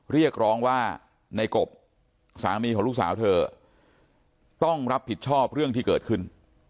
เรียกร้องว่าในกบสามีของลูกสาวเธอต้องรับผิดชอบเรื่องที่เกิดขึ้น